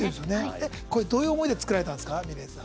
どういう思いで作られたんですか。